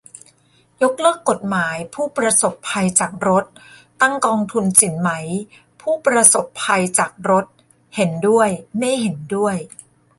ยกเลิกกฎหมายผู้ประสบภัยจากรถ ตั้งกองทุนสินไหมผู้ประสบภัยจากรถ ? เห็นด้วย ไม่เห็นด้วย